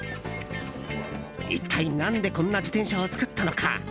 一体何でこんな自転車を作ったのか？